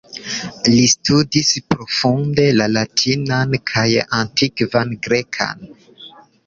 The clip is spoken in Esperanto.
Li studis profunde la latinan kaj antikvan grekan.